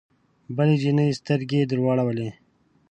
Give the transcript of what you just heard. بلې جینۍ سترګې درواړولې